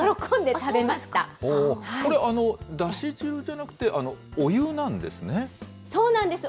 これ、だし汁じゃなくてお湯そうなんです。